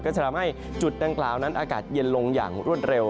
จะทำให้จุดดังกล่าวนั้นอากาศเย็นลงอย่างรวดเร็ว